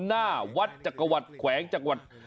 หน้าวัดจักรวรรดิ์แขวงจักรวรรดิ์